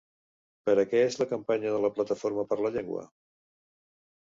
Per a què és la campanya de la Plataforma per la Llengua?